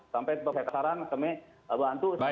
sampai kepesaran kami bantu